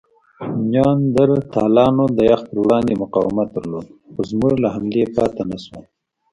نیاندرتالانو د یخ پر وړاندې مقاومت درلود؛ خو زموږ له حملې پاتې نهشول.